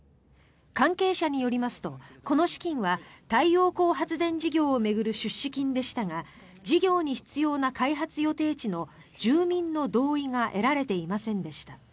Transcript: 関係者によりますと、この資金は太陽光発電事業を巡る出資金でしたが事業に必要な開発予定地の住民の同意が得られていませんでした。